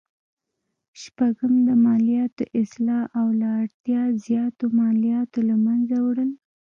شپږم: د مالیاتو اصلاح او له اړتیا زیاتو مالیاتو له مینځه وړل.